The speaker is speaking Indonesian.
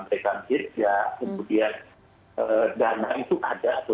mereka menjijak kemudian dana itu ada atau tidak